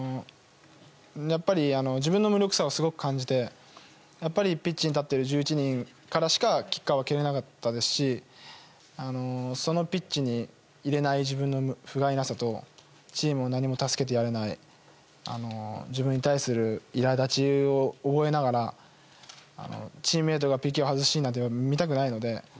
やっぱり自分の無力さをすごく感じてピッチに立っている１１人からしかキッカーは蹴れなかったですしそのピッチにいられない自分のふがいなさとチームを何も助けてやれない自分に対する苛立ちを覚えながらチームメートがＰＫを外すシーンなんて見たくないので。